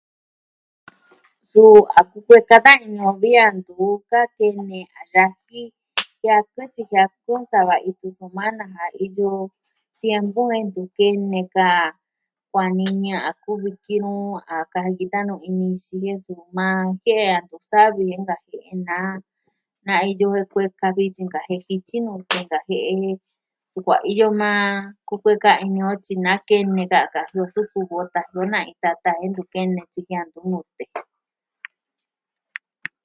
Suu a kukueka da ini o vi a ntu ka kene a yaji kuaa ka tyi jiaa kɨɨn sava itu semana ja. Iyo tiempu a ntu kene ka... ka niñɨ a kuvi kinoo a kaji ki tan iin kini a suu maa. Jen a ntu savi nkajie'e na. Na iyo de kueka vi sinkajie'e jityi a ntia'an nkajie'e. Sukuan iyo maa kukueka ini o tyi na kene ka kaji o sukun vo tan iyo na tata ntu kene tyi ntia'an tuun nute.